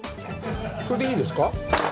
それでいいですか？